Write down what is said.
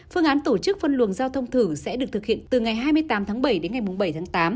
phương án tổ chức phân luồng giao thông thử sẽ được thực hiện từ ngày hai mươi tám tháng bảy đến ngày bảy tháng tám